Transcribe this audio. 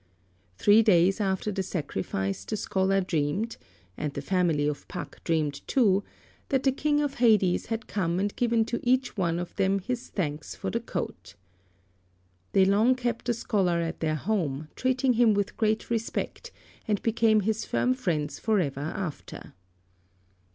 Three days after the sacrifice the scholar dreamed, and the family of Pak dreamed too, that the King of Hades had come and given to each one of them his thanks for the coat. They long kept the scholar at their home, treating him with great respect, and became his firm friends for ever after.